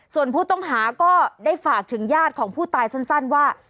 ส่วนผู้ต้องหาก็ได้ฝากถึงญาติของผู้ตายสั้นว่า